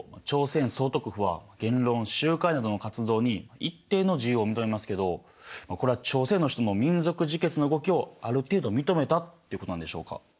朝鮮総督府は言論集会などの活動に一定の自由を認めますけどこれは朝鮮の人の民族自決の動きをある程度認めたってことなんでしょうか？